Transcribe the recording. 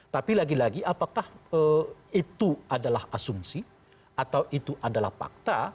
tapi lagi lagi apakah itu adalah asumsi atau itu adalah fakta